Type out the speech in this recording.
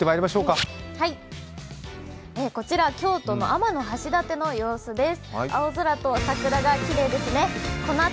こちら京都の天橋立の様子です。